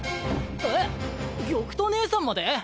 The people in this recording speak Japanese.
え玉兎姉さんまで！？